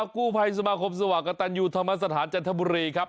กูภัยสมาคมสวัสดิ์กระตัญญูธรรมสถานจันทบุรี